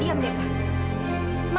diam deh ma